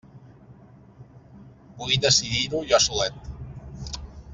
Vull decidir-ho jo solet!